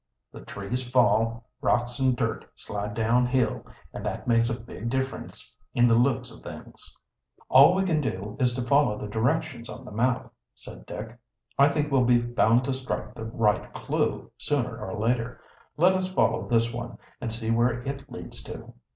The trees fall, rocks and dirt slide down hill, and that makes a big difference in the looks o' things." "All we can do is to follow the directions on the map," said Dick. "I think we'll be bound to strike the right clew, sooner or later. Let us follow this one and see where it leads to."